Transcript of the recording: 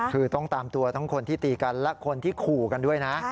คือต้องตามตัวทั้งคนที่ตีกันและคนที่ขู่กันด้วยนะ